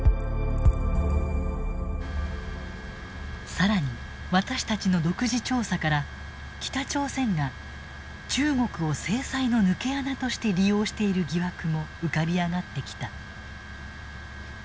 更に私たちの独自調査から北朝鮮が中国を制裁の抜け穴として利用している疑惑も浮かび上がってきた。